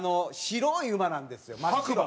白い馬なんですよ。